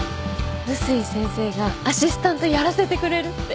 碓井先生がアシスタントやらせてくれるって。